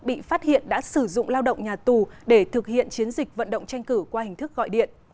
bị phát hiện đã sử dụng lao động nhà tù để thực hiện chiến dịch vận động tranh cử qua hình thức gọi điện